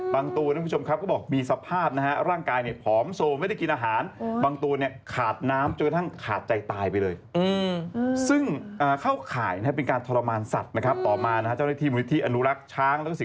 บางตัวนักคุณผู้ชมครับก็บอกมีสภาพร่างกายผอมโซมไม่ได้กินอาหาร